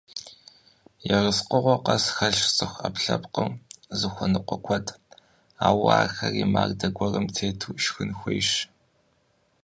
Ерыскъыгъуэ къэс хэлъщ цӀыху Ӏэпкълъэпкъыр зыхуэныкъуэ куэд, ауэ ахэри мардэ гуэрым тету шхын хуейщ.